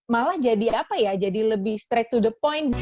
malah jadi apa ya jadi lebih straight to the point